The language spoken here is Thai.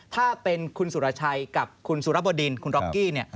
ถ้าเป็นคุณสุรชัยกับคุณสุรบดินคุณร็อกกี้